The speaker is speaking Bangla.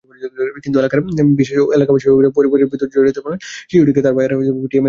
কিন্তু এলাকাবাসীর অভিযোগ, পারিবারিক বিরোধের জেরে শিশুটিকে তার ভাইয়েরা পিটিয়ে মেরে ফেলেছেন।